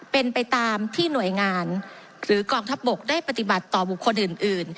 เป็นไปตามที่หน่วยงานหรือกองทัพบกได้ปฏิบัติต่อบุคคลอื่น